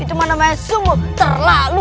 itu mana namanya sungguh terlalu